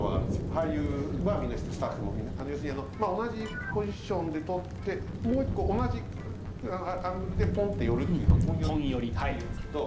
俳優はみんな知ってるスタッフもみんな要するに同じポジションで撮ってもう１個同じアングルでポンって寄るっていうのを「ポン寄り」っていうんですけど。